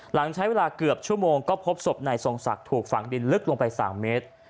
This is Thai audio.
หลังใช้เวลาเกือบชั่วโมงก็พบศพนายทรงศักดิ์ถูกฝังดินลึกลงไป๓เมตร